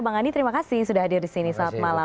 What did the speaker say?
bang andi terima kasih sudah hadir disini selama malam